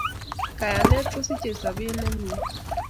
Kayanet kosichei sobet ne mie